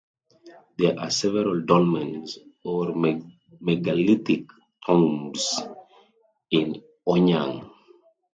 There are several dolmens, or megalithic tombs, in Eonyang.